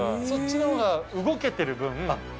そっちのほうが動けてる分。